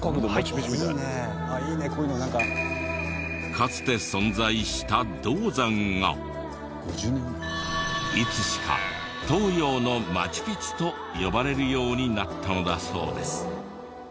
かつて存在した銅山がいつしか東洋のマチュピチュと呼ばれるようになったのだそうです。